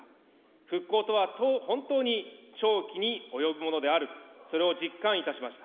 復興とは本当に長期に及ぶものである、それを実感いたしました。